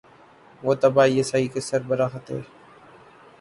وہ تب ISI کے سربراہ تھے۔